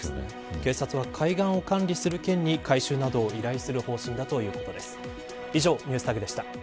警察は海岸を管理する県に回収を依頼するということです。